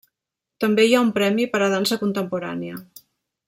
També hi ha un premi per a dansa contemporània.